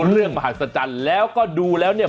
มหัศจรรย์แล้วก็ดูแล้วเนี่ย